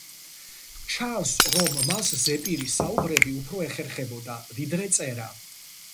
ჩანს, რომ მას ზეპირი საუბრები უფრო ეხერხებოდა, ვიდრე წერა.